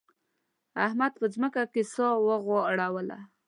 احمد په ځمکه کې سا وغوړوله.